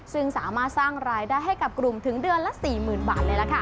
ซึ่งสามารถสร้างรายได้ให้กับกลุ่มถึงเดือนละ๔๐๐๐บาทเลยล่ะค่ะ